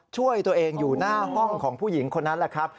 ช่วยตัวเองอยู่หน้าห้องของผู้หญิงคนนั้นแหละครับ